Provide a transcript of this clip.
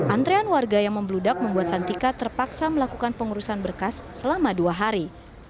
antrean warga yang membludak membuat santika terpaksa melakukan pengurusan berkas selama dua hari